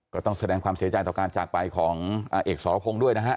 ก็ต้องแสดงความเสียใจต่อการจากไปของอาเอกสรพงศ์ด้วยนะฮะ